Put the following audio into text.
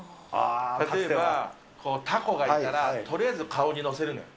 例えばタコがいたらとりあえず顔に載せるのよ。